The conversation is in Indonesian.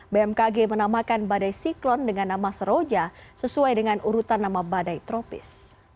bmkg menamakan badai siklon dengan nama seroja sesuai dengan urutan nama badai tropis